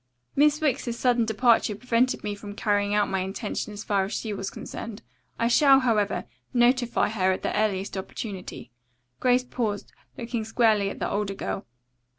Miss Wicks's sudden departure prevented me from carrying out my intention as far as she was concerned. I shall, however, notify her at the earliest opportunity." Grace paused, looking squarely at the older girl.